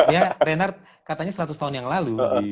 ya reinhardt katanya seratus tahun yang lalu